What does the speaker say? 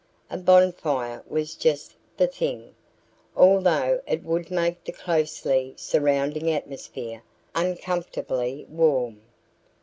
A bonfire was just the thing, although it would make the closely surrounding atmosphere uncomfortably warm.